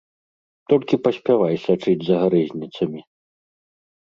Толькі паспявай сачыць за гарэзніцамі.